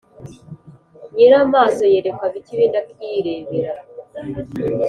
Nyiramaso yerekwa bike ibindi yirebera.